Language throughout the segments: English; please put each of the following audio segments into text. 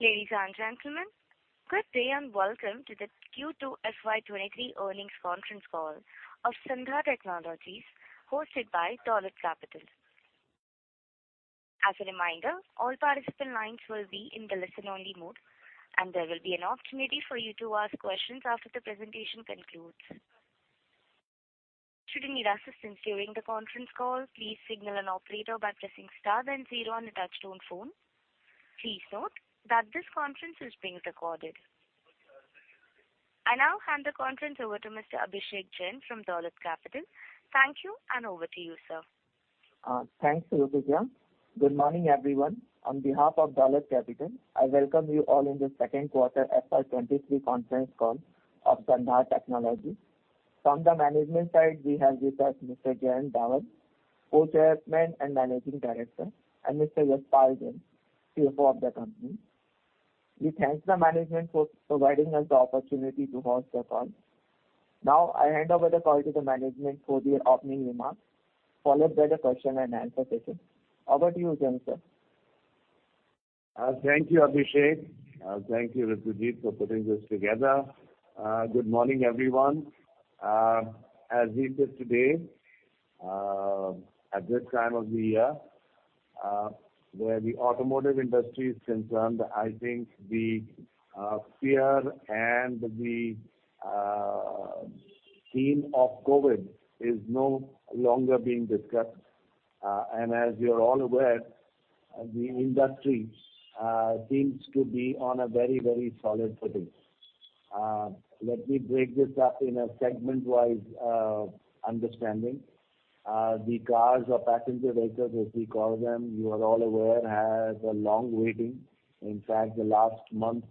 Ladies and gentlemen, good day and welcome to the Q2 FY23 earnings conference call of Sandhar Technologies hosted by Dolat Capital. As a reminder, all participant lines will be in the listen-only mode, and there will be an opportunity for you to ask questions after the presentation concludes. Should you need assistance during the conference call, please signal an operator by pressing star then zero on a touch-tone phone. Please note that this conference is being recorded. I now hand the conference over to Mr. Abhishek Jain from Dolat Capital. Thank you and over to you, sir. Thanks, Rutuja. Good morning, everyone. On behalf of Dolat Capital, I welcome you all in the second quarter FY 2023 conference call of Sandhar Technologies. From the management side, we have with us Mr. Jayant Davar, Co-Chairman and Managing Director, and Mr. Yashpal Jain, CFO of the company. We thank the management for providing us the opportunity to host the call. Now, I hand over the call to the management for their opening remarks, followed by the question and answer session. Over to you, Jain, Sir Thank you, Abhishek. Thank you, Rutuja, for putting this together. Good morning, everyone. As we sit today, at this time of the year, where the automotive industry is concerned, I think the fear and the theme of COVID is no longer being discussed. As you're all aware, the industry seems to be on a very, very solid footing. Let me break this up in a segment-wise understanding. The cars or passenger vehicles, as we call them, you are all aware, has a long waiting. In fact, the last month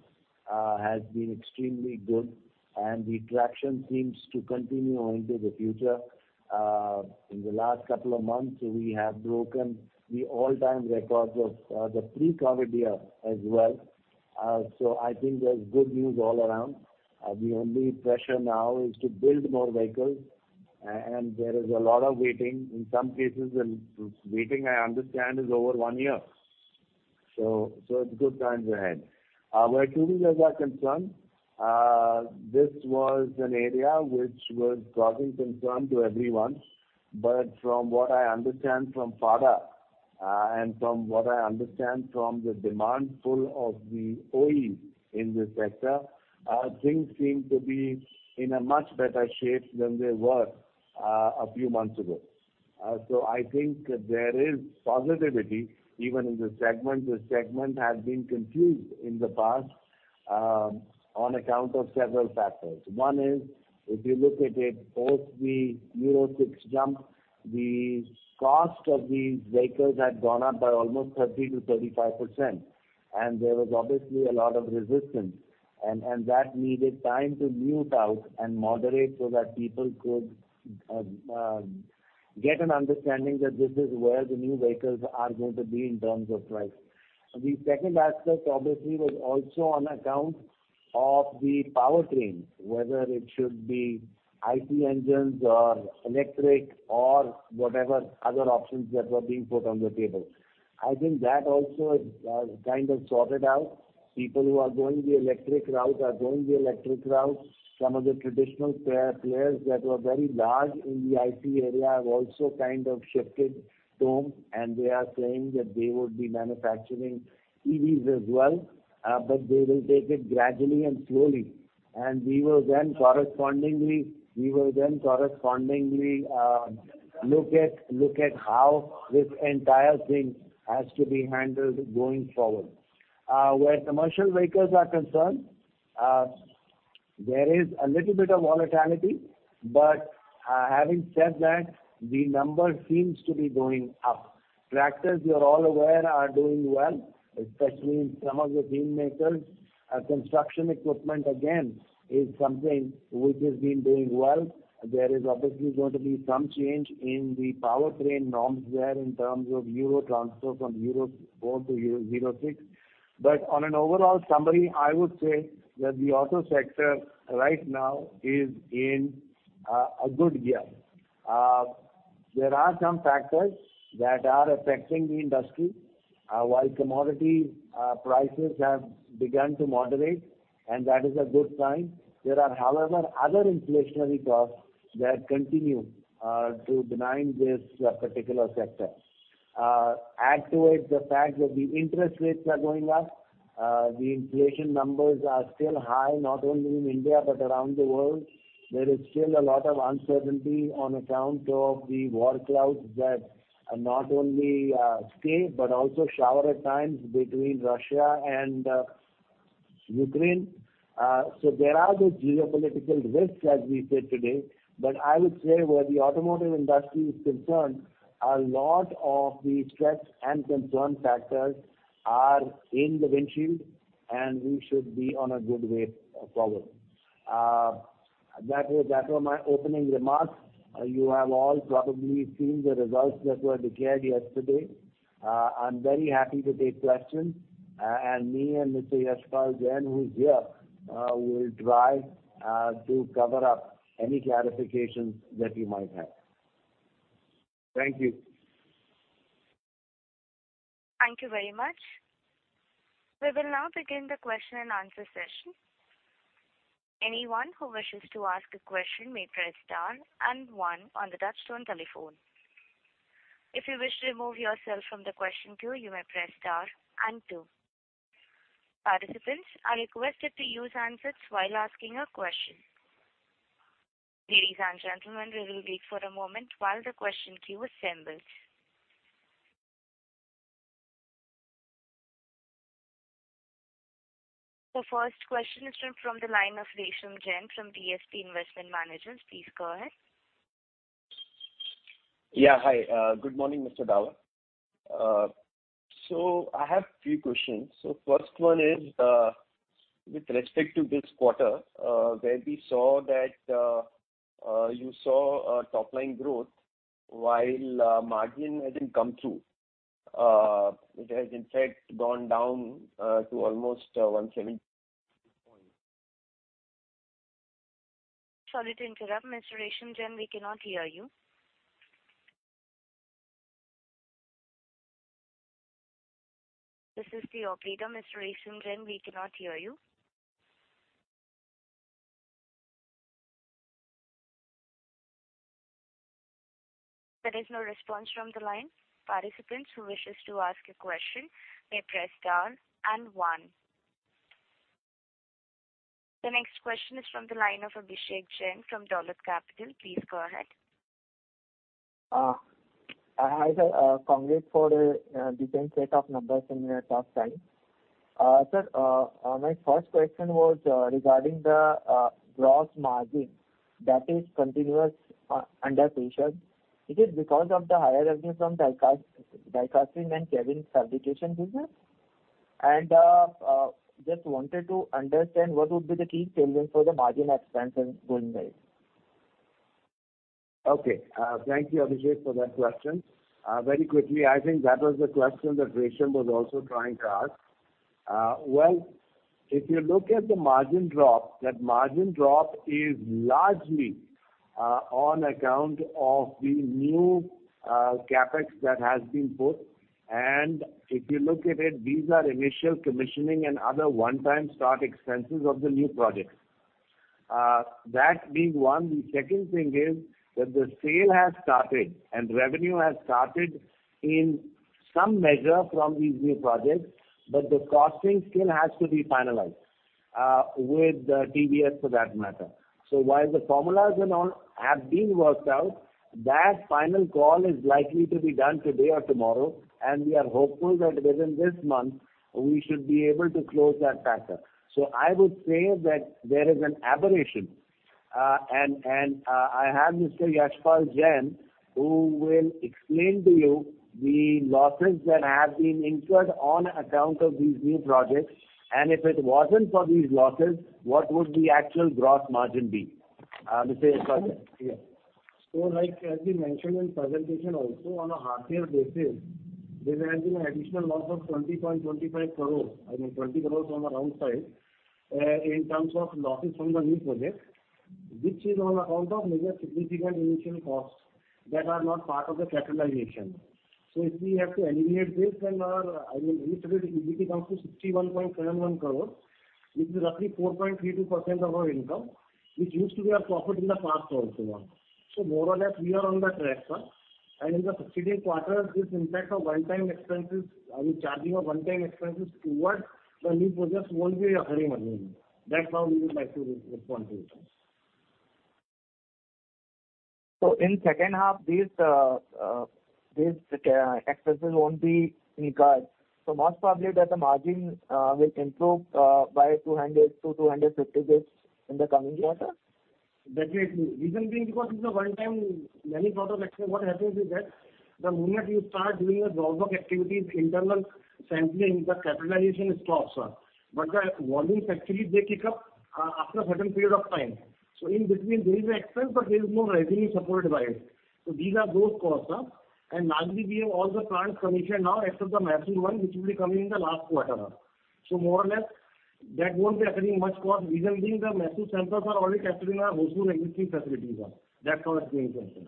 has been extremely good, and the traction seems to continue into the future. In the last couple of months, we have broken the all-time records of the pre-COVID year as well. I think there's good news all around. The only pressure now is to build more vehicles. There is a lot of waiting. In some cases, waiting, I understand, is over one year. It's good times ahead. Where two-wheelers are concerned, this was an area which was causing concern to everyone. From what I understand from FADA, and from what I understand from the demand pool of the OEs in this sector, things seem to be in a much better shape than they were a few months ago. I think there is positivity even in this segment. This segment has been confused in the past, on account of several factors. One is, if you look at it, post the Euro six jump, the cost of these vehicles had gone up by almost 30%-35%. There was obviously a lot of resistance, and that needed time to mute out and moderate so that people could get an understanding that this is where the new vehicles are going to be in terms of price. The second aspect obviously was also on account of the powertrains, whether it should be IC engines or electric or whatever other options that were being put on the table. I think that also is kind of sorted out. People who are going the electric route are going the electric route. Some of the traditional players that were very large in the IC area have also kind of shifted tone, and they are saying that they would be manufacturing EVs as well. They will take it gradually and slowly. We will then correspondingly look at how this entire thing has to be handled going forward. Where commercial vehicles are concerned, there is a little bit of volatility. Having said that, the number seems to be going up. Tractors, you're all aware, are doing well, especially in some of the bean makers. Construction equipment, again, is something which has been doing well. There is obviously going to be some change in the powertrain norms there in terms of Euro transfer from Euro 4 to Euro 6. On an overall summary, I would say that the auto sector right now is in a good year. There are some factors that are affecting the industry. While commodity prices have begun to moderate, and that is a good sign. There are, however, other inflationary costs that continue to bedevil this particular sector. Add to it the fact that the interest rates are going up. The inflation numbers are still high, not only in India, but around the world. There is still a lot of uncertainty on account of the war clouds that not only stay, but also hover at times between Russia and Ukraine. There are those geopolitical risks, as we said today. I would say where the automotive industry is concerned, a lot of the stress and concern factors are in the windshield, and we should be on a good way forward. That was my opening remarks. You have all probably seen the results that were declared yesterday. I'm very happy to take questions. And me and Mr. Yashpal Jain, who is here, will try to clear up any clarifications that you might have. Thank you. Thank you very much. We will now begin the question and answer session. Anyone who wishes to ask a question may press star and one on the touchtone telephone. If you wish to remove yourself from the question queue, you may press star and two. Participants are requested to use handsets while asking a question. Ladies and gentlemen, we will wait for a moment while the question queue assembles. The first question is from the line of Resham Jain from DSP Investment Managers. Please go ahead. Yeah. Hi. Good morning, Mr. Davar. I have three questions. First one is, with respect to this quarter, where we saw that you saw a top line growth while margin hasn't come through. It has in fact gone down to almost 170 point- Sorry to interrupt. Mr. Resham Jain, we cannot hear you. This is the operator. Mr. Resham Jain, we cannot hear you. There is no response from the line. Participants who wishes to ask a question may press star and one. The next question is from the line of Abhishek Jain from Dolat Capital. Please go ahead. Hi, Sir. Congrats for the decent set of numbers in a tough time. Sir, my first question was regarding the gross margin that is continuously under pressure. Is it because of the higher revenue from die-casting and cabins and fabrication business? Just wanted to understand what would be the key tailwind for the margin expansion going ahead. Okay. Thank you, Abhishek, for that question. Very quickly, I think that was the question that Resham was also trying to ask. Well, if you look at the margin drop, that margin drop is largely on account of the new CapEx that has been put. If you look at it, these are initial commissioning and other one-time start expenses of the new projects. That being one. The second thing is that the sale has started and revenue has started in some measure from these new projects, but the costing still has to be finalized with TVS for that matter. While the formulas and all have been worked out, that final call is likely to be done today or tomorrow, and we are hopeful that within this month we should be able to close that chapter. I would say that there is an aberration. I have Mr. Yashpal Jain, who will explain to you the losses that have been incurred on account of these new projects, and if it wasn't for these losses, what would the actual gross margin be? Mr. Yashpal Jain. Yeah. Like as we mentioned in presentation also on a half year basis, there has been an additional loss of 20.25 crore, I mean 20 crores on the downside, in terms of losses from the new project, which is on account of major significant initial costs that are not part of the capitalization. If we have to eliminate this, then our EBITDA comes to 61.71 crores, which is roughly 4.32% of our income, which used to be our profit in the past also. More or less we are on the track, sir. In the succeeding quarters, this impact of one-time expenses, I mean, charging of one-time expenses towards the new projects won't be occurring again. That's how we would like to respond to you, sir. In second half, these CapEx expenses won't be incurred. Most probably, the margin will improve by 200-250 basis points in the coming quarter? Definitely. Reason being, because it's a one-time. Many products actually, what happens is that the moment you start doing a draw work activities, internal sampling, the capitalization stops. The volumes actually they kick up after a certain period of time. In between there is an expense, but there is no revenue supported by it. These are those costs. Largely we have all the plants commissioned now except the Mehsana one which will be coming in the last quarter. More or less that won't be incurring much cost. Reason being the Mehsana samples are already capturing our Hosur existing facilities. That's how I see it.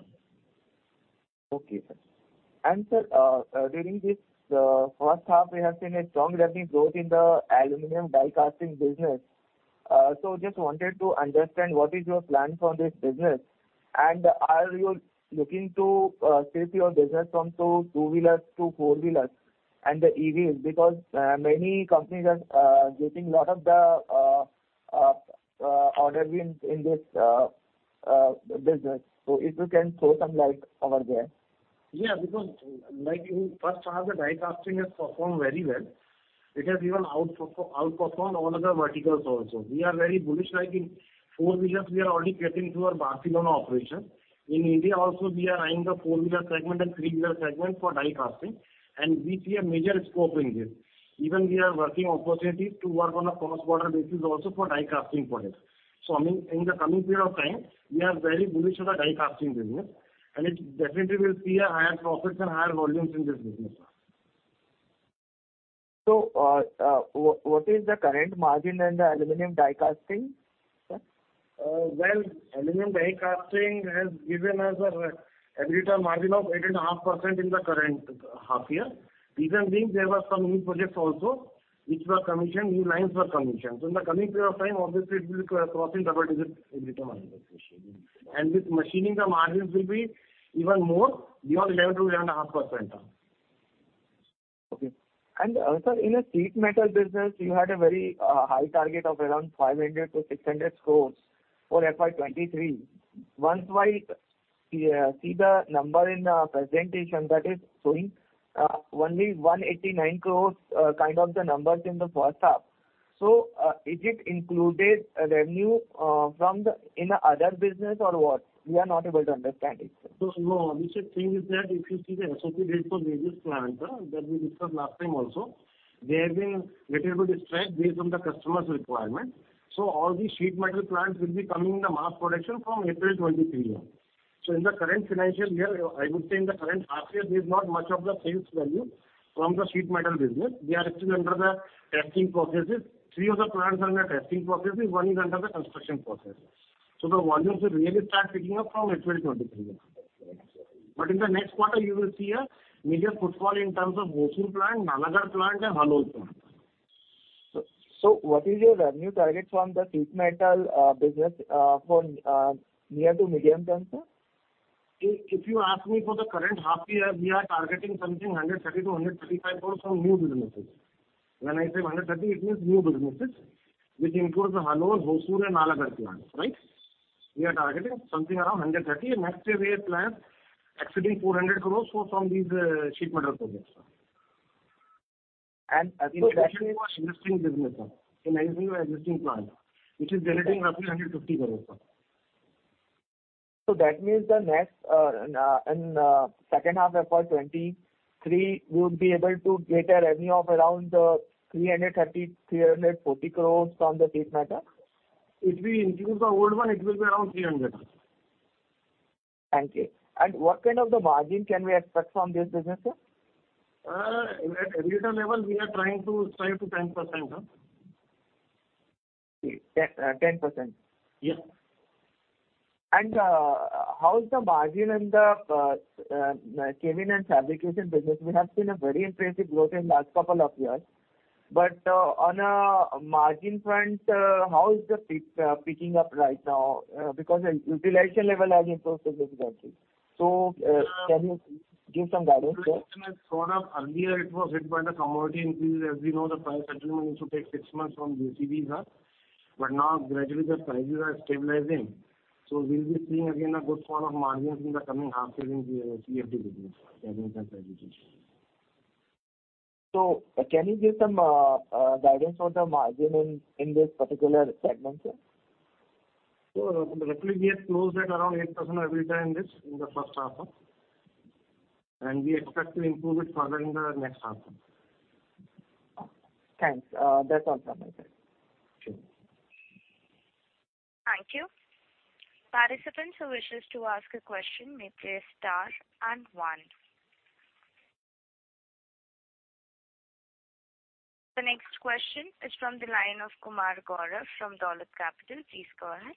Okay, sir. Sir, during this first half, we have seen a strong revenue growth in the Aluminum Die Casting business. Just wanted to understand what is your plan for this business, and are you looking to shift your business from two-wheelers to four-wheelers and the EVs? Because many companies are getting a lot of the order wins in this business. If you can throw some light over there. Yeah, because like in first half the die casting has performed very well. It has even outperformed all other verticals also. We are very bullish, like in four-wheelers we are already getting through our Barcelona operation. In India also we are eyeing the four-wheeler segment and three-wheeler segment for die casting, and we see a major scope in this. Even we are working on opportunities to work on a cross-border basis also for die casting products. I mean, in the coming period of time, we are very bullish on the die casting business, and it definitely will see higher profits and higher volumes in this business. What is the current margin in the Aluminum Die Casting, Sir? Well, Aluminum Die Casting has given us a EBITDA margin of 8.5% in the current half year. Reason being there were some new projects also which were commissioned, new lines were commissioned. In the coming period of time, obviously it will cross in double digits in EBITDA. With machining, the margins will be even more, beyond 11%-11.5%. Okay. Sir, in the sheet metal business, you had a very high target of around 500-600 crores for FY 2023. Once I see the number in the presentation that is showing only 189 crores, kind of the numbers in the first half. Is it included revenue from another business or what? We are not able to understand it, Sir. No, Abhishek Jain, the thing is that if you see the SOP dates of various plants, that we discussed last time also, they have been little bit stretched based on the customer's requirement. All the sheet metal plants will be coming in the mass production from April 2023 on. In the current financial year, I would say in the current half year, there's not much of the sales value from the sheet metal business. We are actually under the testing processes. Three of the plants are under testing processes, one is under the construction process. The volumes will really start picking up from April 2023 on. In the next quarter, you will see a major footfall in terms of Hosur plant, Nalagarh plant and Halol plant. What is your revenue target from the sheet metal business for near to medium term, Sir? If you ask me for the current half year, we are targeting something 130 crore-135 crore from new businesses. When I say 130, it means new businesses, which includes the Halol, Hosur and Nalagarh plants, right? We are targeting something around 130 and maximum we have planned exceeding 400 crore from these sheet metal projects. And- In addition to our existing plant, which is generating roughly 150 crores. That means the next second half FY 2023, you would be able to get a revenue of around 330-340 crores from the sheet metal? If we include the old one, it will be around 300 crores. Thank you. What kind of the margin can we expect from this business, Sir? At EBITDA level, we are trying to 5%-10%. Okay. 10%. Yes. How is the margin in the Cabins and Fabrication business? We have seen a very impressive growth in last couple of years. On a margin front, how is it picking up right now? Because the utilization level has improved significantly. Can you give some guidance, Sir? Production has gone up. Earlier it was hit by the commodity increase. As we know, the price settlement used to take six months from OEMs. Now gradually the prices are stabilizing. We'll be seeing again a good form of margins in the coming half year in the C&F business, Cabins and Fabrication. Can you give some guidance on the margin in this particular segment, Sir? Roughly we have closed at around 8% EBITDA in this, in the first half. We expect to improve it further in the next half. Thanks. That's all from my side. Sure. Thank you. Participants who wishes to ask a question may press star and one. The next question is from the line of Kumar Gaurav from Dolat Capital. Please go ahead.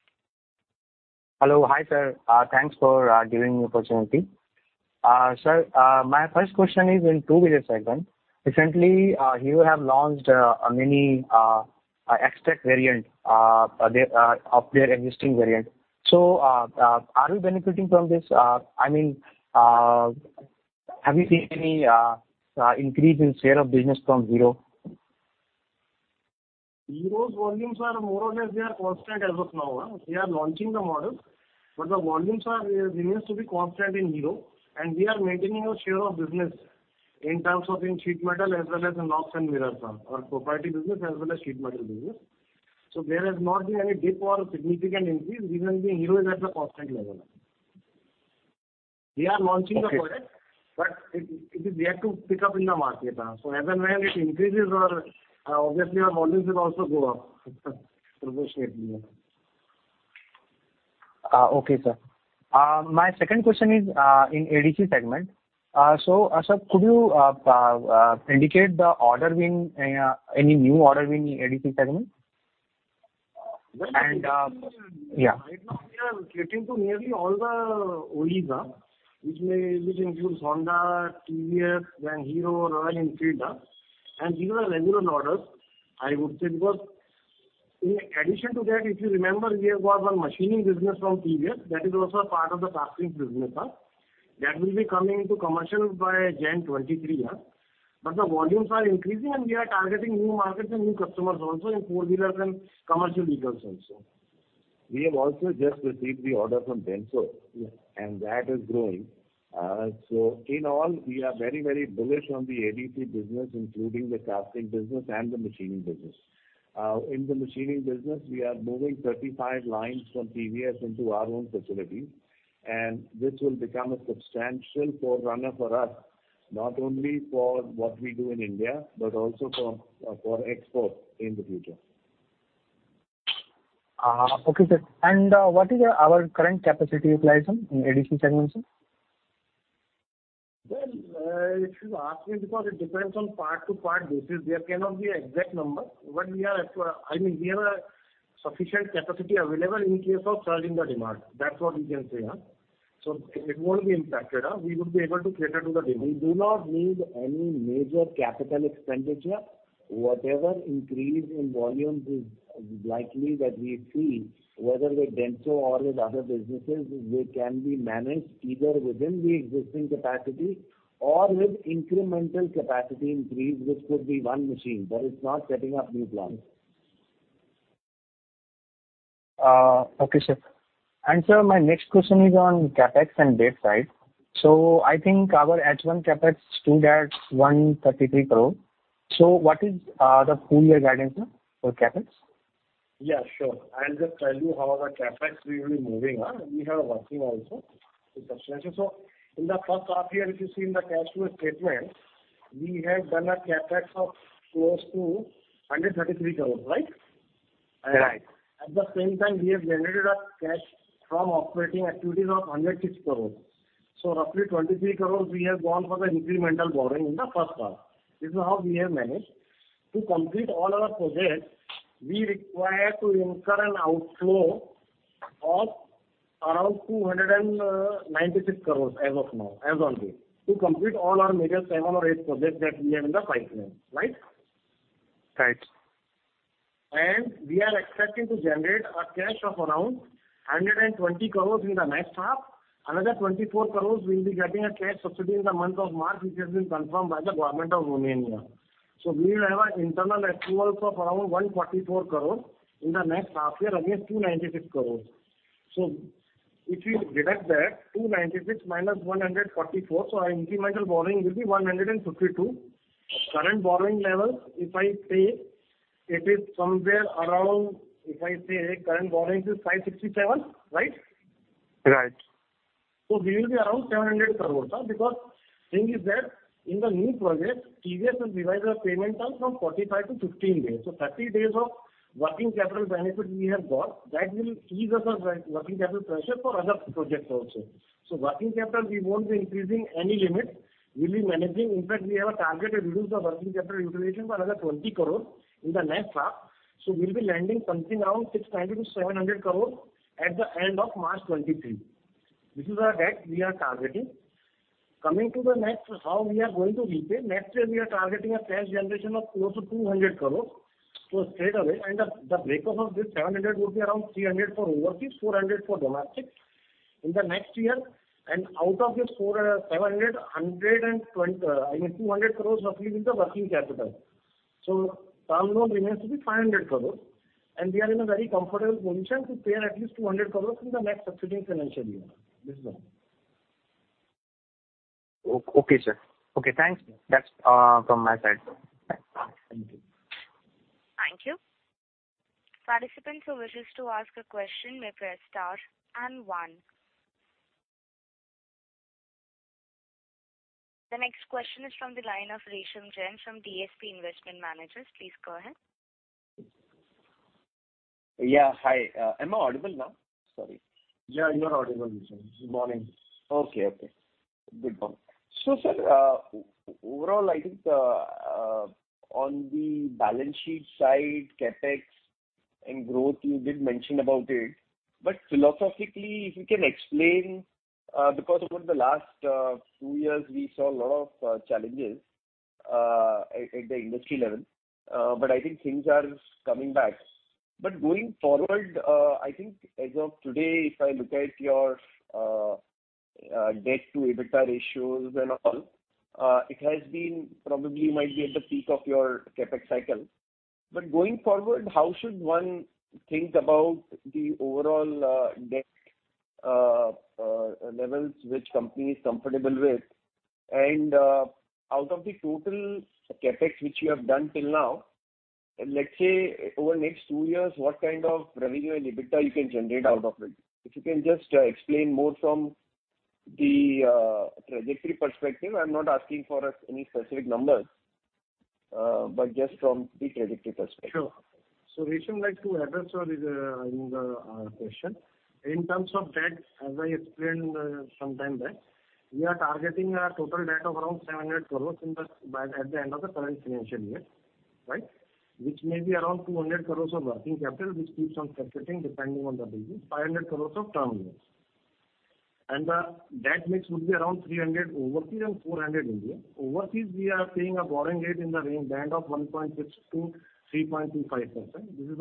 Hello. Hi, sir. Thanks for giving me opportunity. Sir, my first question is in two-wheeler segment. Recently, you have launched many extra variant there of your existing variant. Are you benefiting from this? I mean, have you seen any increase in share of business from Hero? Hero's volumes are more or less, they are constant as of now. We are launching the model, but the volumes are remains to be constant in Hero, and we are maintaining our share of business in terms of sheet metal as well as in locks and mirrors, our proprietary business as well as sheet metal business. There has not been any dip or a significant increase. Reason being, Hero is at a constant level. We are launching the product. Okay. It is yet to pick up in the market. As and when it increases, obviously our volumes will also go up proportionally. Okay, Sir. My second question is in ADC segment. Sir, could you indicate the order win, any new order win in ADC segment? Well- Yeah. Right now we are catering to nearly all the OEs, which includes Honda, TVS and Hero, Royal Enfield, and these are the regular orders, I would say. Because in addition to that, if you remember, we have got one machining business from TVS that is also a part of the casting business. That will be coming to commercial by January 2023. The volumes are increasing, and we are targeting new markets and new customers also in four-wheelers and commercial vehicles also. We have also just received the order from Denso. Yes. That is growing. In all, we are very, very bullish on the ADC business, including the casting business and the machining business. In the machining business, we are moving 35 lines from TVS into our own facility, and this will become a substantial forerunner for us, not only for what we do in India, but also for export in the future. Okay, Sir. What is our current capacity utilization in ADC segment, Sir? Well, if you ask me, because it depends on part to part basis, there cannot be an exact number. We are at, I mean, we have a sufficient capacity available in case of surging the demand. That's what we can say, yeah. It won't be impacted, we would be able to cater to the demand. We do not need any major capital expenditure. Whatever increase in volumes is likely that we see, whether with Denso or with other businesses, they can be managed either within the existing capacity or with incremental capacity increase, which could be one machine. It's not setting up new plants. Okay, Sir. Sir, my next question is on CapEx and debt side. I think our H1 CapEx stood at 133 crore. What is the full year guidance, Sir, for CapEx? Yeah, sure. I'll just tell you how the CapEx will be moving on. We have a working model. In the first half year, if you see in the cash flow statement, we have done a CapEx of close to 133 crores, right? Right. At the same time, we have generated a cash from operating activities of 106 crores. Roughly 23 crores we have gone for the incremental borrowing in the first half. This is how we have managed. To complete all our projects, we require to incur an outflow of around 296 crores as of now, as on date, to complete all our major seven or eight projects that we have in the pipeline. Right? Right. We are expecting to generate cash of around 120 crores in the next half. Another 24 crores, we'll be getting a cash subsidy in the month of March, which has been confirmed by the government of Romania. We will have an internal FCF of around 144 crores in the next half year against 296 crores. If you deduct that, 296 crores minus 144 crores, our incremental borrowing will be 152 crores. Current borrowing level, if I say it is somewhere around, if I say current borrowing is 567 crores, right? Right. We will be around 700 crores. Because thing is that in the new project, TVS will revise their payment terms from 45 to 15 days. Thirty days of working capital benefit we have got. That will ease us of working capital pressure for other projects also. Working capital, we won't be increasing any limit. We'll be managing. In fact, we have a target to reduce the working capital utilization by another 20 crores in the next half. We'll be landing something around 690-700 crores at the end of March 2023. This is our debt we are targeting. Coming to the next, how we are going to repay. Next year, we are targeting a cash generation of close to 200 crores. Straight away, the breakup of this 700 would be around 300 for overseas, 400 for domestic in the next year. Out of this 700 crores, 200 crores roughly will be the working capital. Term loan remains to be 500 crores. We are in a very comfortable position to pay at least 200 crores in the next succeeding financial year. This is all. Okay, Sir. Okay, thanks. That's from my side, Sir. Thanks. Thank you. Thank you. Participants who wishes to ask a question may press star and one. The next question is from the line of Resham Jain from DSP Investment Managers. Please go ahead. Yeah, hi. Am I audible now? Sorry. Yeah, you are audible, Resham. Good morning. Okay. Good morning. Sir, overall, I think on the balance sheet side, CapEx and growth, you did mention about it. Philosophically, if you can explain, because over the last two years, we saw a lot of challenges at the industry level. I think things are coming back. Going forward, I think as of today, if I look at your debt to EBITDA ratios and all, it has been probably might be at the peak of your CapEx cycle. Going forward, how should one think about the overall debt levels which company is comfortable with? Out of the total CapEx which you have done till now, let's say over the next two years, what kind of revenue and EBITDA you can generate out of it? If you can just explain more from the trajectory perspective. I'm not asking for any specific numbers, but just from the trajectory perspective. Sure. Resham, like to address your question. In terms of debt, as I explained, sometime back, we are targeting a total debt of around 700 crores at the end of the current financial year, right? Which may be around 200 crores of working capital, which keeps on circulating depending on the business, 500 crores of term loans. The debt mix would be around 300 crores overseas and 400 crores India. Overseas, we are paying a borrowing rate in the range band of 1.6%-3.25%. This is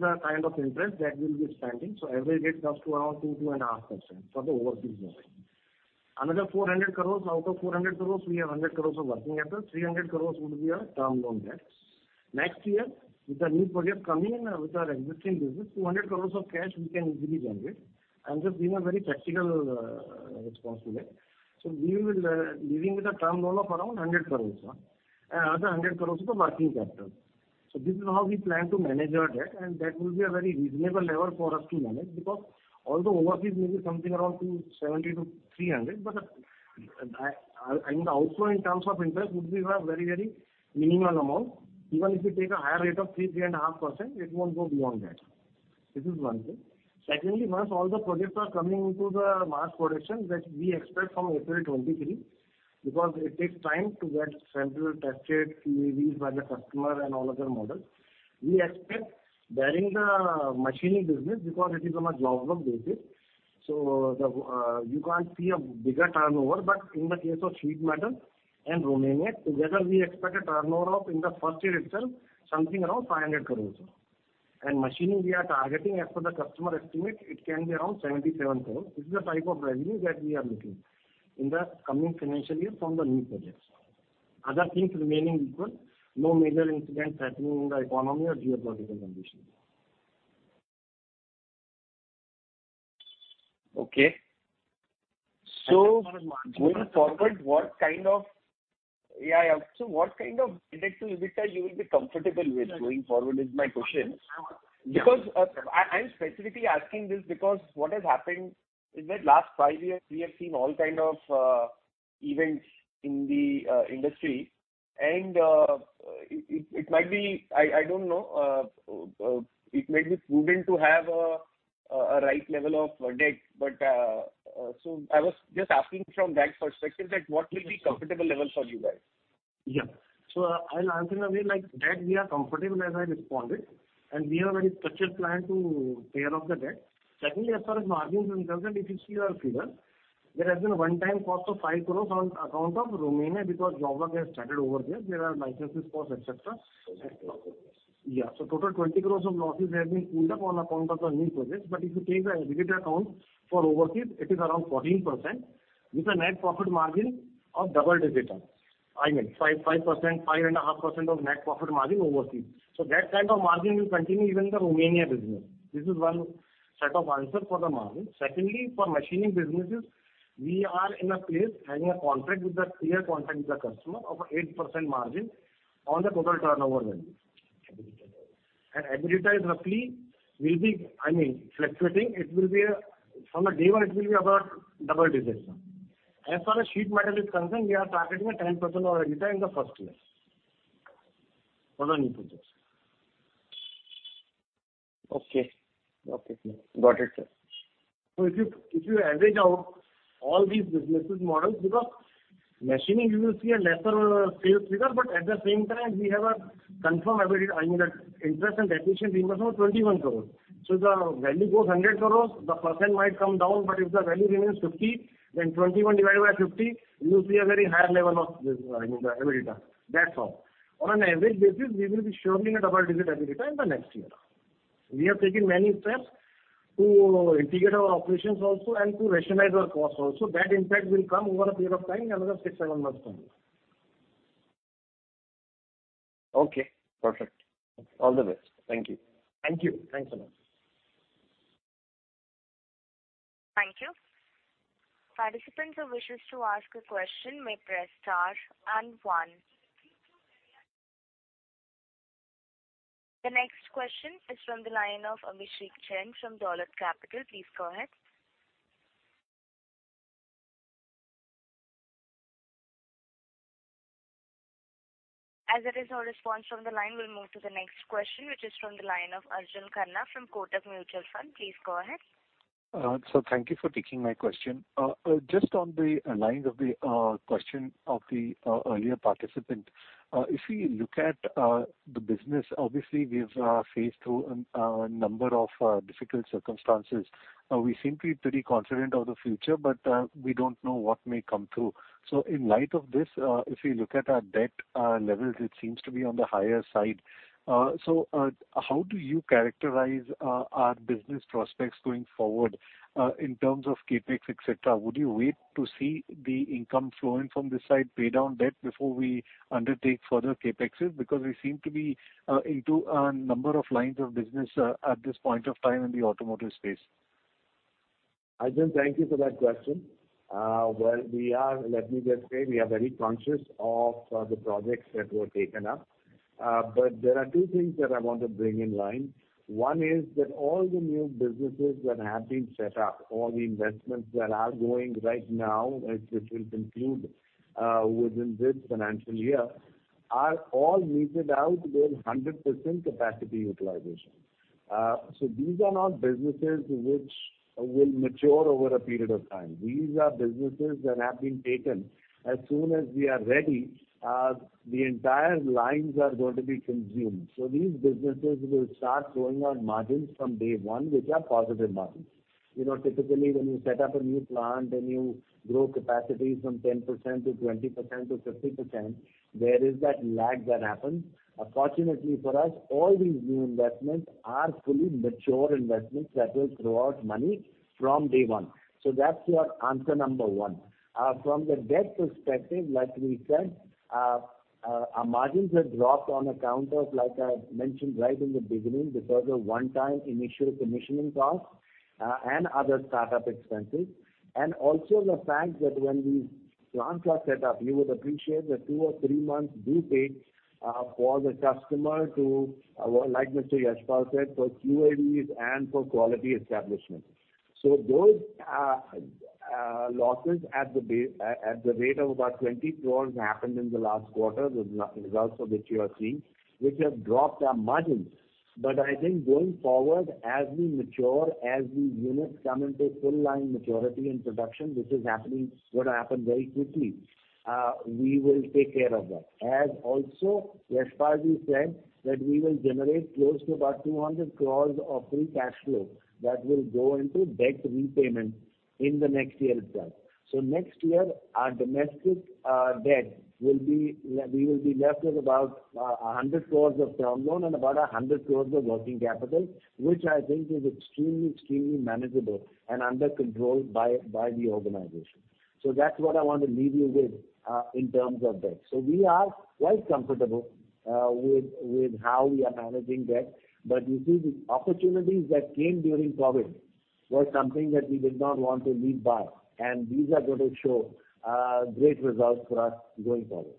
the kind of interest that we'll be spending. Average rate comes to around 2.5% for the overseas borrowing. Another 400 crores. Out of 400 crores, we have 100 crores of working capital, 300 crores would be our term loan debt. Next year, with the new project coming in with our existing business, 200 crores of cash we can easily generate. I'm just giving a very tactical response to that. We will left with a term loan of around 100 crores, and another 100 crores for working capital. This is how we plan to manage our debt, and that will be a very reasonable level for us to manage. Because although overseas may be something around 270-300, I mean, the outflow in terms of interest would be very, very minimal amount. Even if you take a higher rate of 3%-3.5%, it won't go beyond that. This is one thing. Secondly, once all the projects are coming into the mass production that we expect from April 2023, because it takes time to get samples tested, QAPs by the customer and all other models. We expect barring the machining business because it is on a job work basis. You can't see a bigger turnover, but in the case of sheet metal and Romania together, we expect a turnover of in the first year itself, something around 500 crores. Machining we are targeting as per the customer estimate, it can be around 77 crores. This is the type of revenue that we are looking in the coming financial year from the new projects. Other things remaining equal, no major incidents happening in the economy or geopolitical conditions. Going forward, what kind of debt to EBITDA you will be comfortable with going forward is my question. Because, I'm specifically asking this because what has happened is that last five years we have seen all kind of events in the industry. It might be, I don't know, it may be prudent to have a right level of debt. I was just asking from that perspective that what will be comfortable levels for you guys? Yeah. I'll answer in a way like debt we are comfortable as I responded, and we have a very structured plan to pay off the debt. Secondly, as far as margins are concerned, if you see our figures, there has been a one-time cost of 5 crore on account of Romania because job work has started over there. There are license costs, etc. Yeah. Total 20 crore of losses have been piled up on account of the new projects. If you take the EBITDA for overseas, it is around 14% with a net profit margin of double-digit. I mean 5%, 5.5% net profit margin overseas. That kind of margin will continue even in the Romania business. This is one set of answers for the margin. Secondly, for machining businesses, we are having a clear contract with the customer of 8% margin on the total turnover value. EBITDA roughly will be, I mean fluctuating. It will be from day one, it will be about double digits. As far as sheet metal is concerned, we are targeting 10% EBITDA in the first year for the new projects. Okay. Okay. Got it, Sir. If you average out all these business models because machining, you will see a lesser sales figure, but at the same time we have a confirmed EBITDA, I mean, interest and taxation reimbursement of 21 crores. If the value goes 100 crores, the % might come down, but if the value remains 50 crores, then 21 crores divided by 50 crores, you see a very high level of this, I mean, the EBITDA. That's all. On an average basis, we will be surely in a double-digit EBITDA in the next year. We have taken many steps to integrate our operations also and to rationalize our costs also. That impact will come over a period of time, another six-seven months from now. Okay, perfect. All the best. Thank you. Thank you. Thanks a lot. Thank you. Participants who wishes to ask a question may press star and one. The next question is from the line of Abhishek Jain from Dolat Capital. Please go ahead. As there is no response from the line, we'll move to the next question, which is from the line of Arjun Khanna from Kotak Mutual Fund. Please go ahead. Sir, thank you for taking my question. Just on the lines of the question of the earlier participant, if we look at the business, obviously we've faced through a number of difficult circumstances. We seem to be pretty confident of the future, but we don't know what may come through. In light of this, if we look at our debt levels, it seems to be on the higher side. How do you characterize our business prospects going forward in terms of CapEx, et cetera? Would you wait to see the income flowing from this side pay down debt before we undertake further CapExes? Because we seem to be into a number of lines of business at this point of time in the automotive space. Arjun, thank you for that question. Well, we are, let me just say we are very conscious of the projects that were taken up. There are two things that I want to bring in line. One is that all the new businesses that have been set up, all the investments that are going right now, which will conclude within this financial year, are all measured out with 100% capacity utilization. These are not businesses which will mature over a period of time. These are businesses that have been taken. As soon as we are ready, the entire lines are going to be consumed. These businesses will start throwing out margins from day one, which are positive margins. You know, typically, when you set up a new plant and you grow capacity from 10% to 20% to 50%, there is that lag that happens. Unfortunately for us, all these new investments are fully mature investments that will throw out money from day one. That's your answer number one. From the debt perspective, like we said, our margins have dropped on account of, like I mentioned right in the beginning, because of one-time initial commissioning costs and other start-up expenses. Also the fact that when these plants are set up, you would appreciate the two or threee months due date for the customer to, like Mr. Yashpal said for QAPs and for quality establishment. Those losses at the rate of about 20 crore happened in the last quarter, the results of which you are seeing, which have dropped our margins. I think going forward, as we mature, as the units come into full line maturity and production, gonna happen very quickly, we will take care of that. Yashpal said that we will generate close to about 200 crore of free cash flow that will go into debt repayment in the next year itself. Next year, our domestic debt, we will be left with about 100 crore of term loan and about 100 crore of working capital, which I think is extremely manageable and under control by the organization. That's what I want to leave you with, in terms of debt. We are quite comfortable with how we are managing debt. You see the opportunities that came during COVID was something that we did not want to pass by, and these are going to show great results for us going forward.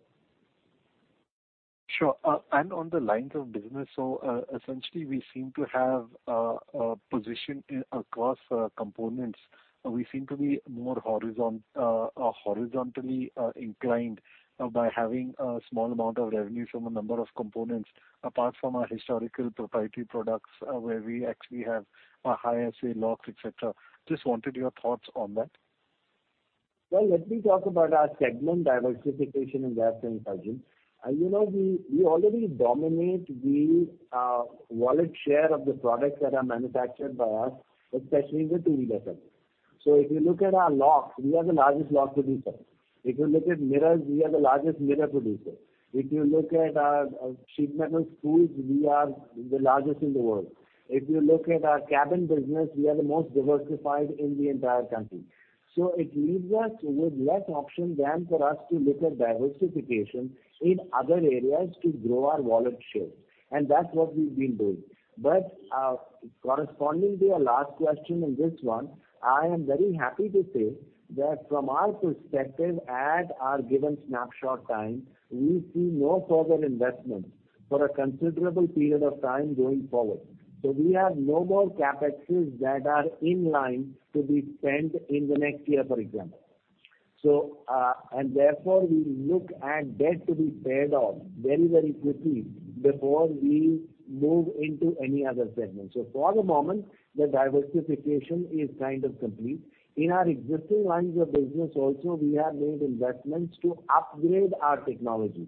Sure. On the lines of business, essentially we seem to have a position across components. We seem to be more horizontally inclined by having a small amount of revenue from a number of components, apart from our historical proprietary products, where we actually have a higher share in locks, et cetera. Just wanted your thoughts on that. Well, let me talk about our segment diversification in that sense, Arjun. You know, we already dominate the wallet share of the products that are manufactured by us, especially in the two-wheeler segment. If you look at our locks, we are the largest lock producer. If you look at mirrors, we are the largest mirror producer. If you look at our sheet metal tools, we are the largest in the world. If you look at our cabin business, we are the most diversified in the entire country. It leaves us with less option than for us to look at diversification in other areas to grow our wallet share, and that's what we've been doing. Corresponding to your last question and this one, I am very happy to say that from our perspective, at our given snapshot time, we see no further investment for a considerable period of time going forward. We have no more CapEx that is in line to be spent in the next year, for example. And therefore we look at debt to be paid off very, very quickly before we move into any other segment. For the moment, the diversification is kind of complete. In our existing lines of business also, we have made investments to upgrade our technologies,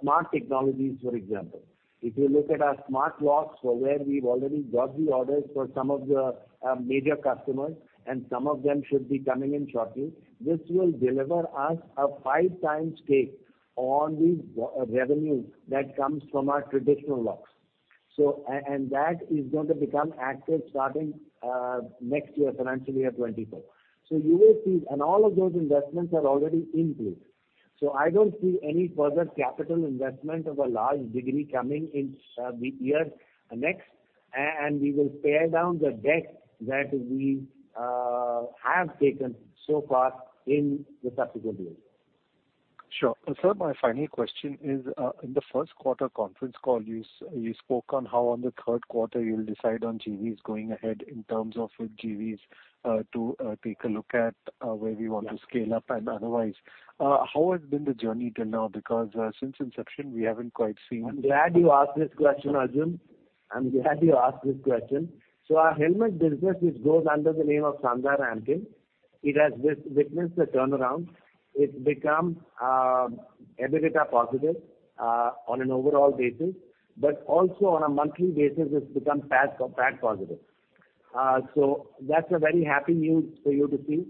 smart technologies, for example. If you look at our smart locks, for where we've already got the orders for some of the major customers, and some of them should be coming in shortly, this will deliver us a 5x take on the revenue that comes from our traditional locks. That is going to become active starting next year, financial year 2024. You will see. All of those investments are already included. I don't see any further capital investment of a large degree coming in next year, and we will pare down the debt that we have taken so far in the subsequent years. Sure. Sir, my final question is, in the first quarter conference call, you spoke on how in the third quarter you'll decide on JVs going ahead in terms of JVs to take a look at where we want to scale up and otherwise. How has been the journey till now? Because, since inception, we haven't quite seen. I'm glad you asked this question, Arjun. Our helmet business, which goes under the name of Sandhar Hanshin, has witnessed a turnaround. It's become EBITDA positive on an overall basis, but also on a monthly basis it's become PAT positive. That's a very happy news for you to see.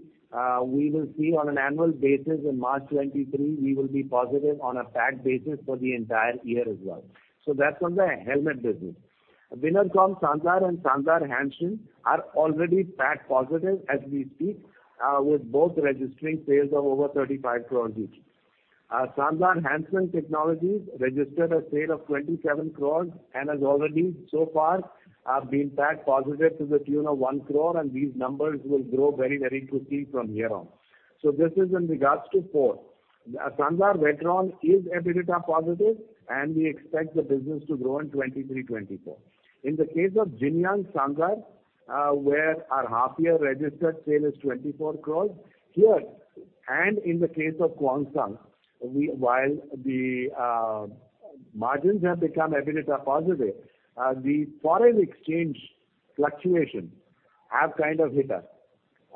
We will see on an annual basis in March 2023, we will be positive on a PAT basis for the entire year as well. That's on the helmet business. Winnercom Sandhar and Sandhar Hanshin are already PAT positive as we speak, with both registering sales of over 35 crore each. Sandhar Hanshin Technologies registered a sale of 27 crore and has already so far been PAT positive to the tune of 1 crore, and these numbers will grow very, very quickly from here on. This is in regards to four. Sandhar Whetron is EBITDA positive, and we expect the business to grow in 2023, 2024. In the case of Jinyoung Sandhar, where our half year registered sale is 24 crore, here and in the case of Kwangsung, while the margins have become EBITDA positive, the foreign exchange fluctuations have kind of hit us.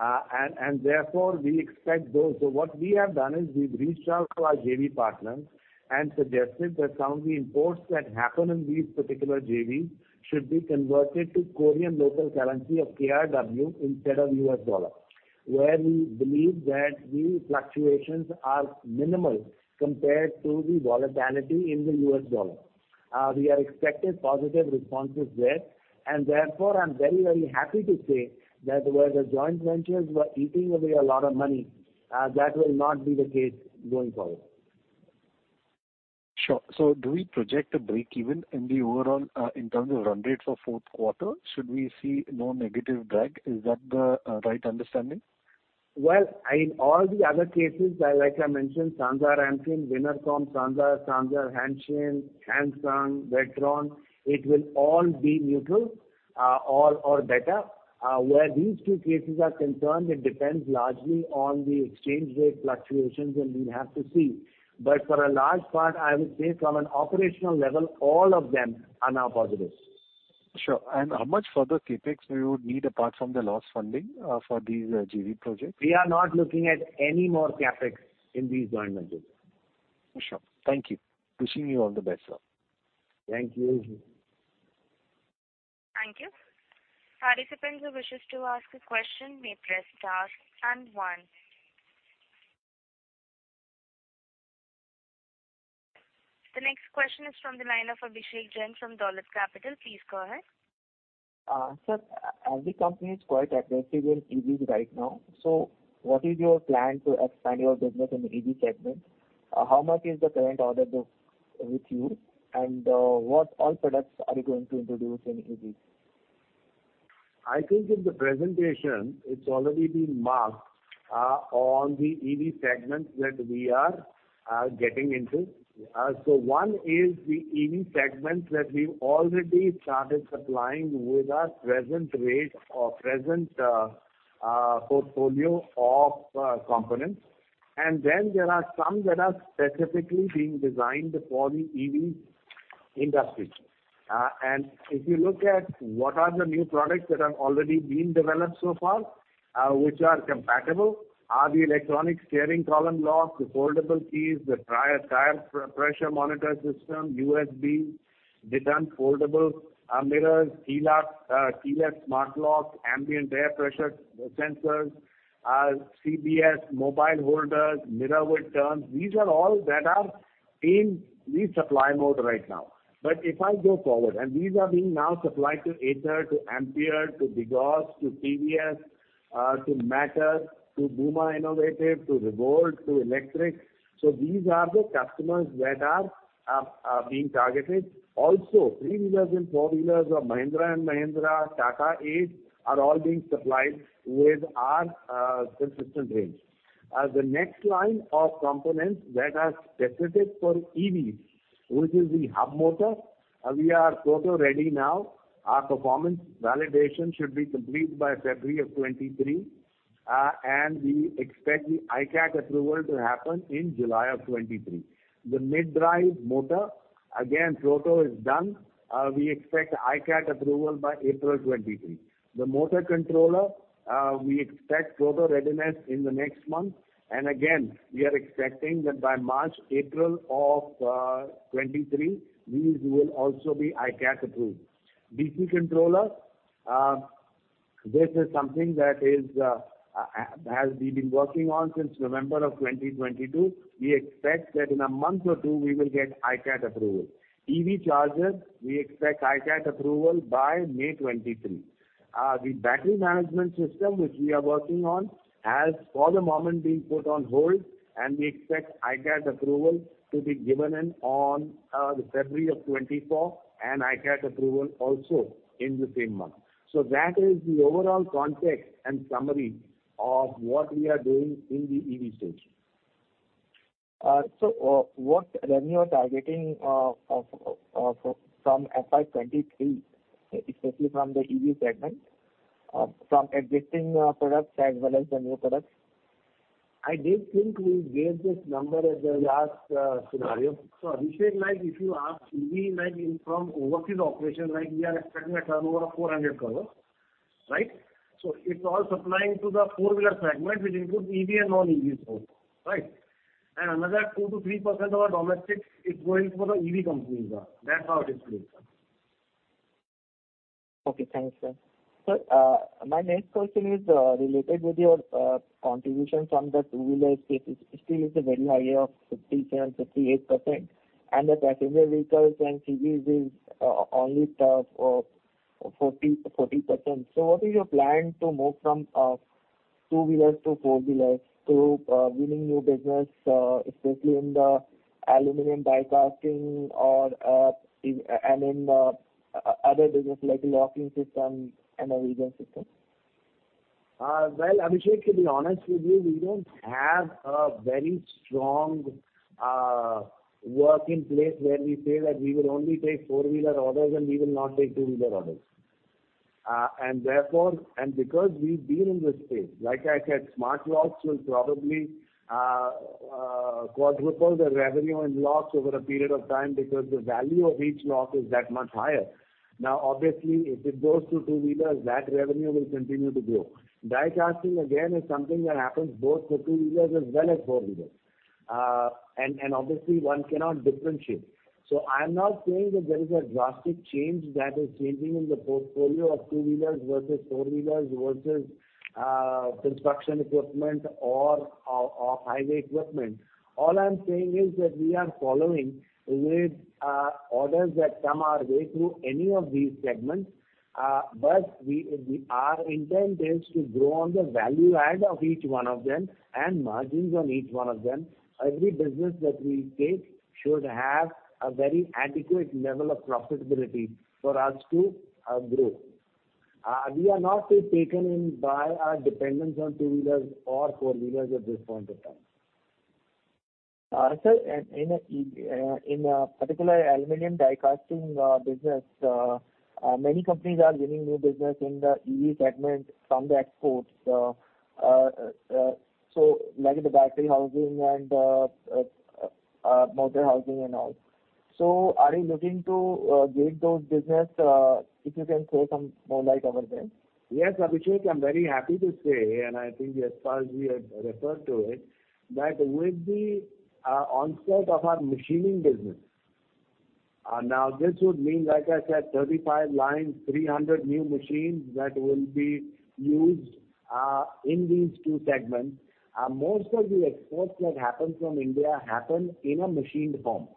And therefore we expect those. What we have done is we've reached out to our JV partners and suggested that some of the imports that happen in these particular JVs should be converted to Korean local currency of KRW instead of U.S. dollar, where we believe that the fluctuations are minimal compared to the volatility in the U.S. dollar. We are expecting positive responses there. Therefore, I'm very, very happy to say that where the joint ventures were eating away a lot of money, that will not be the case going forward. Sure. Do we project a breakeven in the overall, in terms of run rate for fourth quarter? Should we see no negative drag? Is that the right understanding? Well, in all the other cases, like I mentioned, Sandhar Ampere, Winnercom Sandhar Hanshin, Kwangsung, Whetron, it will all be neutral, or better. Where these two cases are concerned, it depends largely on the exchange rate fluctuations, and we have to see. For a large part, I would say from an operational level, all of them are now positive. Sure. How much further CapEx we would need apart from the loss funding for these JV projects? We are not looking at any more CapEx in these [wind mills]. Sure. Thank you. Wishing you all the best, Sir. Thank you. Thank you. Participants who wishes to ask a question may press star and one. The next question is from the line of Abhishek Jain from Dolat Capital. Please go ahead. Sir, the company is quite aggressive in EVs right now. What is your plan to expand your business in the EV segment? How much is the current order book with you? What all products are you going to introduce in EVs? I think in the presentation it's already been marked on the EV segments that we are getting into. One is the EV segment that we've already started supplying with our present rate or present portfolio of components. There are some that are specifically being designed for the EV industry. If you look at what are the new products that have already been developed so far, which are compatible are the electronic steering column locks, the foldable keys, the tire pressure monitor system, USB, the auto foldable mirrors, keyless smart locks, ambient air pressure sensors, CBS mobile holders, mirror with turn indicators. These are all that are in resupply mode right now. If I go forward, these are being now supplied to Ather Energy, to Ampere Vehicles, to BGauss Auto, to TVS, to Matter Energy, to Ola Electric, to Revolt Motors, to Lectrix EV. These are the customers that are being targeted. Also three-wheelers and four-wheelers of Mahindra & Mahindra, Tata Ace are all being supplied with our consistent range. The next line of components that are specific for EV, which is the hub motor. We are proto ready now. Our performance validation should be complete by February 2023. We expect the ICAT approval to happen in July 2023. The mid-drive motor, again, proto is done. We expect ICAT approval by April 2023. The motor controller, we expect proto readiness in the next month. Again, we are expecting that by March, April 2023, these will also be ICAT approved. DC controller, this is something that has been working on since November of 2022. We expect that in a month or two we will get ICAT approval. EV chargers, we expect ICAT approval by May 2023. The battery management system, which we are working on, has for the moment been put on hold, and we expect ICAT approval to be given in the February of 2024, and ICAT approval also in the same month. That is the overall context and summary of what we are doing in the EV space. What revenue are you targeting of from FY23, especially from the EV segment, from existing products as well as the new products? I did think we gave this number at the last scenario. Abhishek, like if you ask me, like in from overseas operation, like we are expecting a turnover of 400 crore, right? It's all supplying to the four-wheeler segment, which includes EV and non-EVs both, right? Another 2%-3% of our domestic is going for the EV companies. That's how it is split. Okay. Thanks, Sir. Sir, my next question is related with your contribution from the two-wheeler space. It still is a very high of 57-58%. The passenger vehicles and CVs is only 40%. What is your plan to move from two-wheelers to four-wheelers to winning new business, especially in the Aluminium Die Casting or in other business like locking system and a regen system? Well, Abhishek, to be honest with you, we don't have a very strong work in place where we say that we will only take four-wheeler orders and we will not take two-wheeler orders. Therefore, because we've been in this space, like I said, smart locks will probably quadruple the revenue in locks over a period of time because the value of each lock is that much higher. Now, obviously, if it goes to two-wheelers, that revenue will continue to grow. Die casting, again, is something that happens both for two-wheelers as well as four-wheelers. Obviously one cannot differentiate. I'm not saying that there is a drastic change that is changing in the portfolio of two-wheelers versus four-wheelers versus construction equipment or highway equipment. All I'm saying is that we are fulfilling orders that come our way through any of these segments. Our intent is to grow on the value add of each one of them and margins on each one of them. Every business that we take should have a very adequate level of profitability for us to grow. We are not so taken in by our dependence on two-wheelers or four-wheelers at this point of time. Sir, in a particular Aluminum Die Casting business, many companies are winning new business in the EV segment from the exports. Like the battery housing and motor housing and all. Are you looking to get those business, if you can shed some more light over there? Yes, Abhishek, I'm very happy to say, and I think Yashpal here referred to it, that with the onset of our machining business, now this would mean, like I said, 35 lines, 300 new machines that will be used in these two segments. Most of the exports that happen from India happen in a machined form.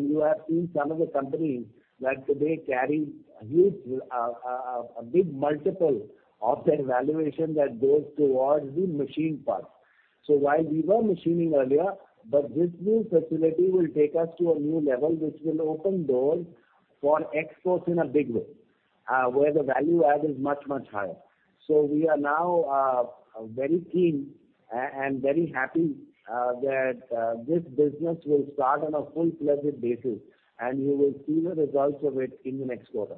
You have seen some of the companies that they carry huge a big multiple of their valuation that goes towards the machine parts. While we were machining earlier, but this new facility will take us to a new level, which will open doors for exports in a big way, where the value add is much, much higher. We are now very keen and very happy that this business will start on a full-fledged basis, and you will see the results of it in the next quarter.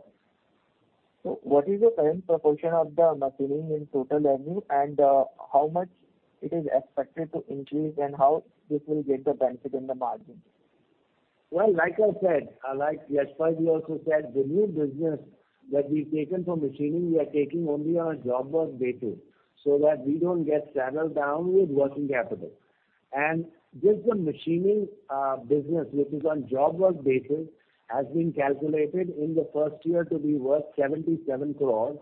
What is the current proportion of the machining in total revenue, and how much it is expected to increase and how this will get the benefit in the margin? Well, like I said, like Yashpal here also said, the new business that we've taken for machining, we are taking only on job work basis so that we don't get saddled down with working capital. Just the machining business, which is on job work basis, has been calculated in the first year to be worth 77 crore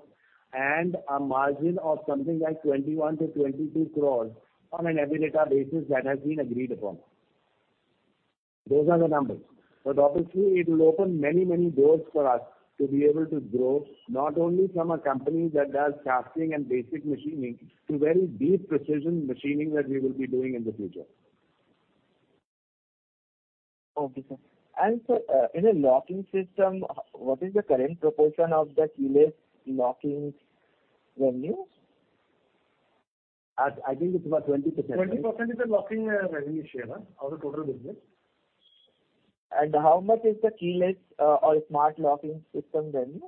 and a margin of something like 21-22 crore on an EBITDA basis that has been agreed upon. Those are the numbers. Obviously it will open many, many doors for us to be able to grow, not only from a company that does casting and basic machining to very deep precision machining that we will be doing in the future. Okay, Sir. Sir, in a locking system, what is the current proportion of the keyless locking revenue? I think it's about 20%, right? 20% is the locking revenue share of the total business. How much is the keyless or smart locking system revenue?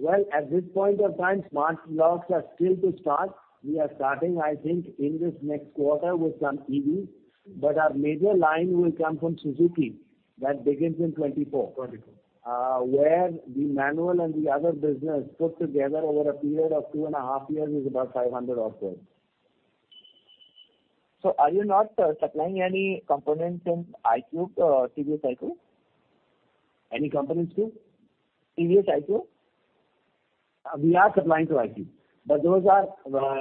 Well, at this point of time, smart locks are still to start. We are starting, I think, in this next quarter with some EVs, but our major line will come from Suzuki. That begins in 2024. 2024. Where the manual and the other business put together over a period of two and a half years is about 500-odd crore. Are you not supplying any components in iQube or TVS iQube? Any components to? TVS iQube. We are supplying to iQube, but those are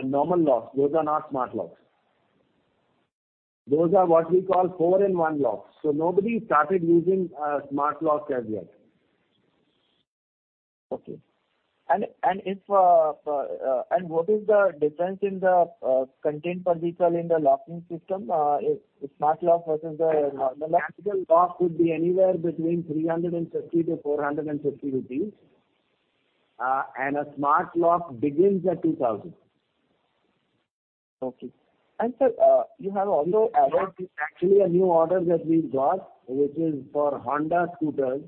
normal locks. Those are not smart locks. Those are what we call four-in-one locks. Nobody started using smart locks as yet. What is the difference in the content per vehicle in the locking system, a smart lock versus the normal lock? The manual lock would be anywhere between 350-450 rupees. A smart lock begins at 2,000. Okay. Sir, you have also- Actually, a new order that we've got, which is for Honda scooters,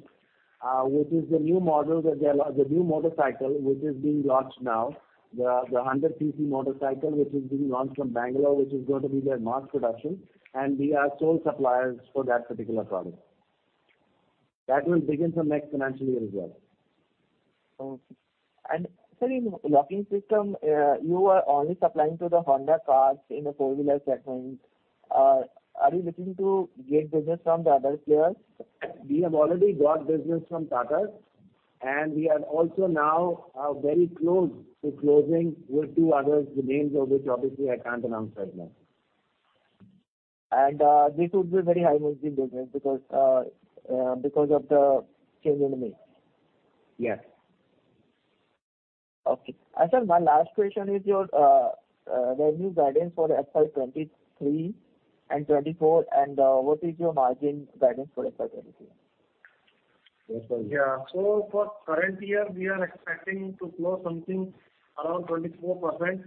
which is the new motorcycle which is being launched now, the 100 cc motorcycle which is being launched from Bangalore, which is going to be their mass production, and we are sole suppliers for that particular product. That will begin from next financial year as well. Okay. Sir, in locking system, you are only supplying to the Honda cars in the four-wheeler segment. Are you looking to get business from the other players? We have already got business from Tata, and we are also now very close to closing with two others, the names of which obviously I can't announce right now. This would be very high-margin business because of the change in the mix. Yes. Okay. Sir, my last question is your revenue guidance for FY 2023 and 2024, and what is your margin guidance for FY 2023? Yeah. For current year, we are expecting to grow something around 24%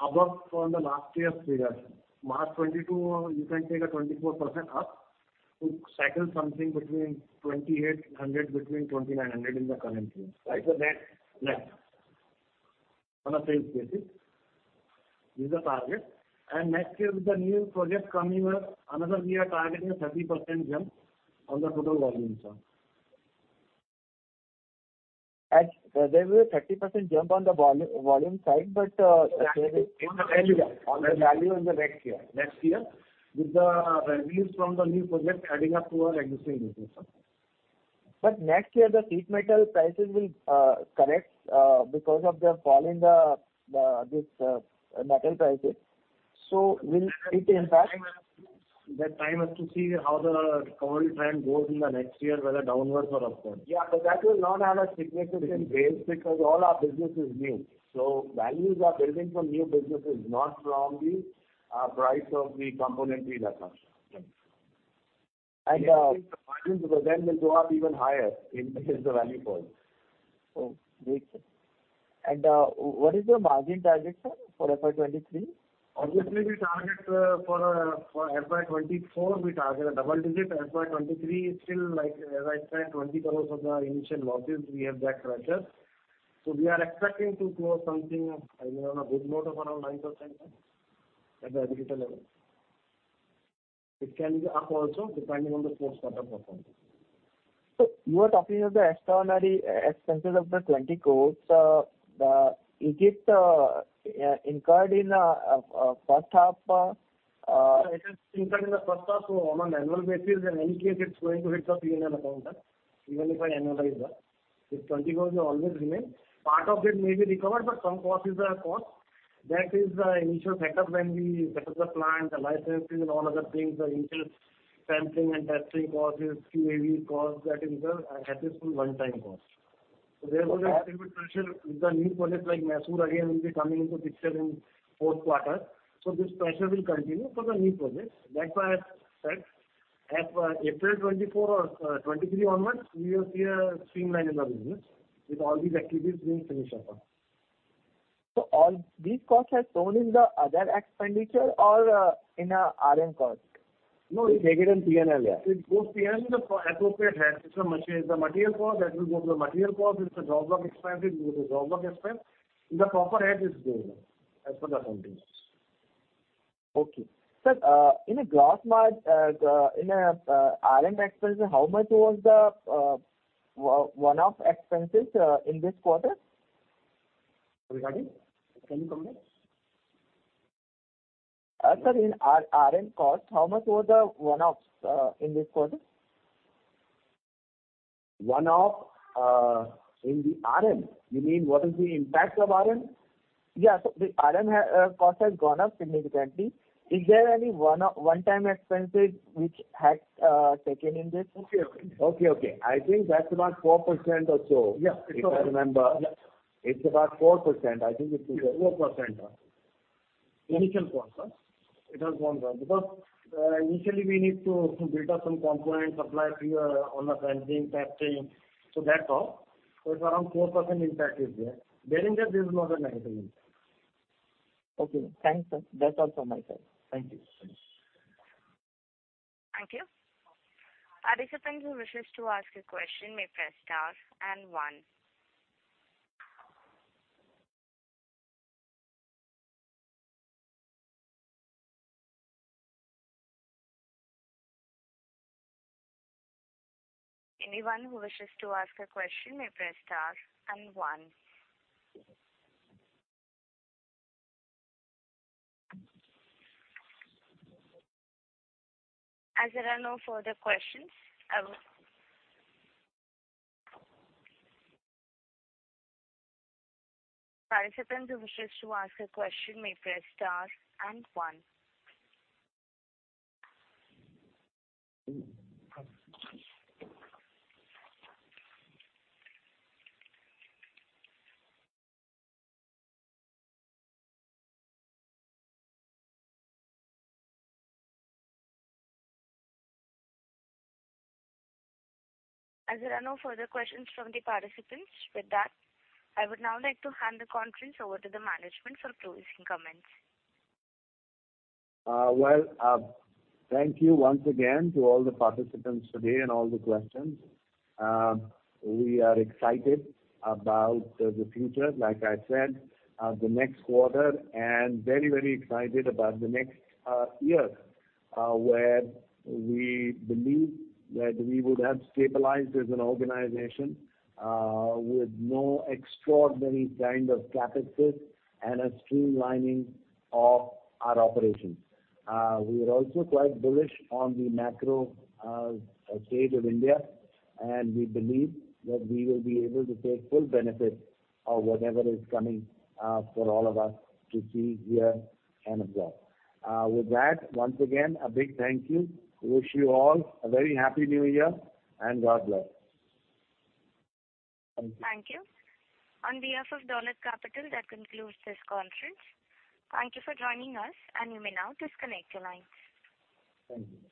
above from the last year's figures. March 2022, you can take a 24% up to cycle something between 2,800 and 2,900 in the current year. Right. That on a sales basis is the target. Next year with the new projects coming up, another year targeting a 30% jump on the total volume side. There is a 30% jump on the volume side, but On the value. On the value in the next year. Next year with the revenues from the new projects adding up to our existing business. Next year the sheet metal prices will correct because of the fall in the metal prices. Will it impact? That time has to see how the cost trend goes in the next year, whether downwards or upwards. Yeah, that will not have a significant base because all our business is new. Values are building from new businesses, not from the price of the componentry that comes. And, uh, The margins then will go up even higher in case the value falls. Oh, great. What is your margin target, for FY 2023? Obviously, we target for FY 2024 a double digit. FY 2023 is still like, as I said, 20 crores of the initial losses we have that pressure. We are expecting to grow something of, you know, in a good mode of around 9% at the aggregate level. It can be up also depending on the fourth quarter performance. You are talking of the extraordinary expenses of 20 crore. Is it, yeah, incurred in first half. It is incurred in the first half. On an annual basis, in any case, it's going to hit the P&L account, even if annualize that. This 20 crores will always remain. Part of it may be recovered, but some cost is a cost. That is the initial setup when we set up the plant, the licenses and all other things, the interest sampling and testing costs, QAP costs, that is a capital one-time cost. The activity pressure with the new projects like Mysore again will be coming into picture in fourth quarter. This pressure will continue for the new projects. That's why I said as per April 2024 or 2023 onwards, we will see a streamline in our business with all these activities being finished off. All these costs are shown in the other expenditure or in RM cost? No. It's negative in P&L, yeah. It goes P&L to the appropriate head. If a machine is a material cost, that will go to the material cost. If it's a job work expense, it will go to job work expense. The proper head is there as per the accounting norms. Okay. Sir, in the last mile, R&M expenses, how much was the one-off expenses in this quarter? Regarding? Can you comment? Sir, in RM cost, how much was the one-offs in this quarter? One-off, in the RM? You mean what is the impact of RM? The RM cost has gone up significantly. Is there any one-time expenses which has taken in this? Okay, okay. Okay. I think that's about 4% or so. Yeah. If I remember. Yeah. It's about 4%. I think it is. 4%. Initial 4%. It has gone down because, initially we need to build up some components, supply few on the sampling, testing. That's all. It's around 4% impact is there. During that there is no other material impact. Okay. Thanks, Sir. That's all from my side. Thank you. Thanks. Thank you. Participants who wishes to ask a question may press star and one. Anyone who wishes to ask a question may press star and one. As there are no further questions, Participants who wishes to ask a question may press star and one. As there are no further questions from the participants, with that, I would now like to hand the conference over to the management for closing comments. Well, thank you once again to all the participants today and all the questions. We are excited about the future, like I said, the next quarter and very, very excited about the next, year, where we believe that we would have stabilized as an organization, with no extraordinary kind of CapEx and a streamlining of our operations. We are also quite bullish on the macro, state of India, and we believe that we will be able to take full benefit of whatever is coming, for all of us to see, hear and absorb. With that, once again, a big thank you. Wish you all a very happy new year and God bless. Thank you. Thank you. On behalf of Dolat Capital, that concludes this conference. Thank you for joining us, and you may now disconnect your lines. Thank you.